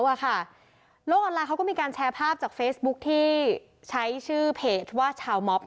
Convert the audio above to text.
โลกออนไลน์เขาก็มีการแชร์ภาพจากเฟซบุ๊คที่ใช้ชื่อเพจว่าชาวม็อบ